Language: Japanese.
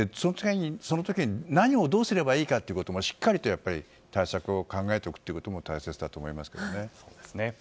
その時に何をどうすればいいかということも、しっかりと対策を考えておくことも大切だと思いますけどね。